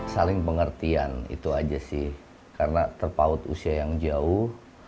saling pengertian itu aja sih karena terpaut usia yang jauh